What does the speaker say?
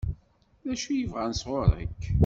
D acu i bɣan sɣur-k?